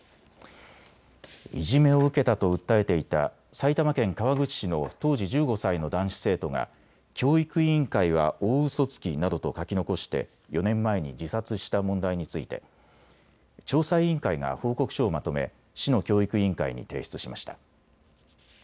いじめを受けたと訴えていた埼玉県川口市の当時１５歳の男子生徒が教育委員会は大うそつきなどと書き残して４年前に自殺した問題について調査委員会が報告書をまとめ市の教育委員会に提出しました。